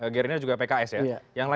gerinya juga pks ya